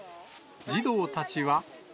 児童たちは。